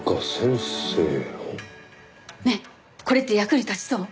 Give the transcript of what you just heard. ねえこれって役に立ちそう？